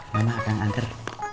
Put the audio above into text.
ya emak akan angker